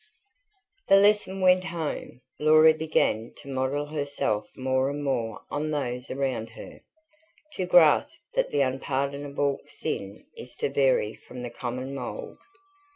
The lesson went home; Laura began to model herself more and more on those around her; to grasp that the unpardonable sin is to vary from the common mould.